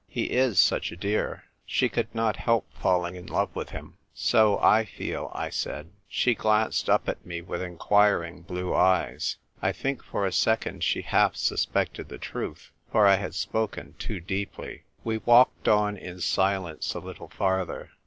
He is such a clear ! She could not help falling in love with him !" "So I feel," I said. She glanced up at me with inquiring blue eyes. I think for a second she half suspected the truth, for I had spoken too deeply. We walked on in silence a little farther.